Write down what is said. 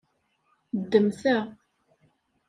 Ddem ta.